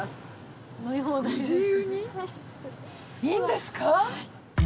いいんですか？